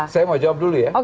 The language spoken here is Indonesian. saya mau jawab dulu ya